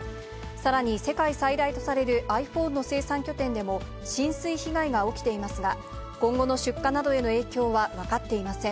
さらに世界最大とされるｉＰｈｏｎｅ生産拠点でも、浸水被害が起きていますが、今後の出荷などへの影響は分かっていません。